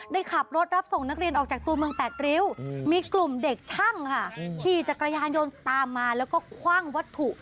ขับรถรับส่งนักเรียนออกจากตัวเมืองแปดริ้วมีกลุ่มเด็กช่างค่ะขี่จักรยานยนต์ตามมาแล้วก็คว่างวัตถุ